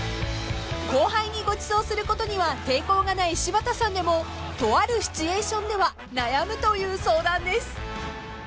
［後輩にごちそうすることには抵抗がない柴田さんでもとあるシチュエーションでは悩むという相談です］